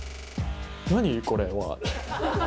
何これは？